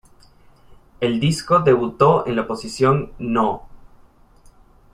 El disco debutó en la posición No.